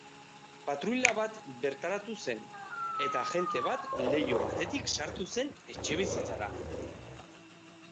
Patruila bat bertaratu zen, eta agente bat leiho batetik sartu zen etxebizitzara.